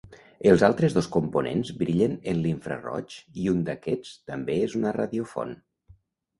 Els altres dos components brillen en l'infraroig i un d'aquests també és una radiofont.